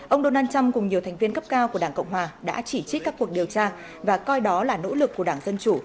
ông donald trump cùng nhiều thành viên cấp cao của đảng cộng hòa đã chỉ trích các cuộc điều tra và coi đó là nỗ lực của đảng dân chủ